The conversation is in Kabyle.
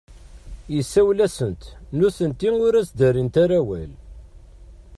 Yessawel-asent, nutenti ur as-d-rrint ara awal.